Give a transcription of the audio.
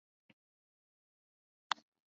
本镇位于山东与江苏两省交界处。